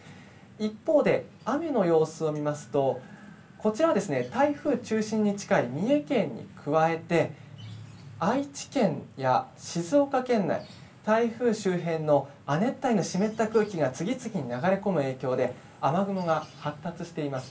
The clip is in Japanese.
一方で雨の様子を見ますと、こちらは台風中心に近い三重県に加えて、愛知県や静岡県内、台風周辺の亜熱帯の湿った空気が次々に流れ込む影響で、雨雲が発達しています。